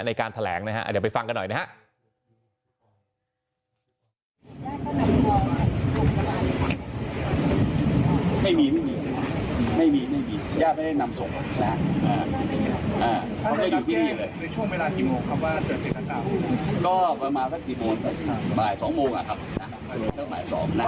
ในการแถลงนะฮะเดี๋ยวไปฟังกันหน่อยนะครับ